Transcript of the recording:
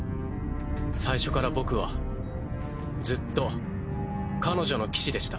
最初から僕はずっと彼女の騎士でした。